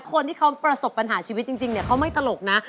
คนที่เขาประสบปัญหาชีวิตจริงเนี่ยเขาไม่ตลกนะ